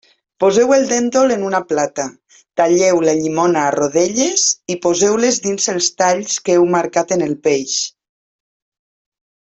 Poseu el déntol en una plata, talleu la llimona a rodelles i poseu-les dins els talls que heu marcat en el peix.